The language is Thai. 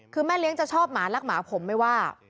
คือแม่เลี้ยงจะชอบหมารักหมาผมไม่ว่า